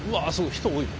人多い。